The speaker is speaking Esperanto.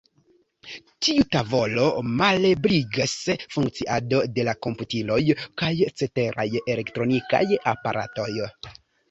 Tiu tavolo malebligas funkciado de la komputiloj kaj ceteraj elektronikaj aparatoj.